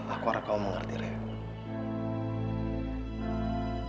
aku harap kamu mengerti rey